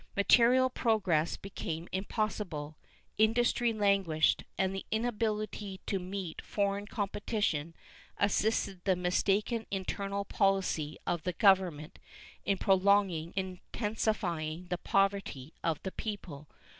Material progress became impossible, industry languished, and the inability to meet foreign competition assisted the mistaken internal policy of the government in pro longing and intensifying the poverty of the people.